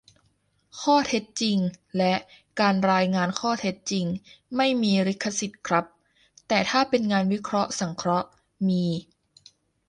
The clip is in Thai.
ข้อเท็จจริง และ การรายงานข้อเท็จจริง ไม่มีลิขสิทธิ์ครับ - แต่ถ้าเป็นงานวิเคราะห์สังเคราะห์ มี